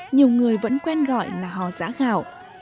nhiều người vẫn quen gọi là hò giã gạo